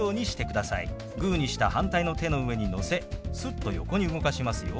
グーにした反対の手の上にのせすっと横に動かしますよ。